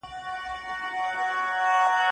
هزار شکر که چون راز عاشقان فاشیم